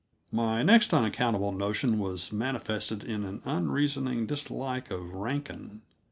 My next unaccountable notion was manifested in an unreasoning dislike of Rankin.